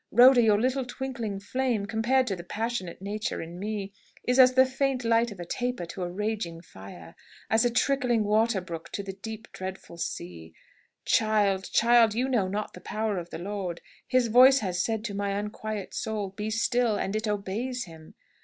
Rhoda, your little twinkling flame, compared to the passionate nature in me, is as the faint light of a taper to a raging fire as a trickling water brook to the deep, dreadful sea! Child, child, you know not the power of the Lord. His voice has said to my unquiet soul, 'Be still,' and it obeys Him.